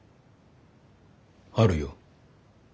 あるよ。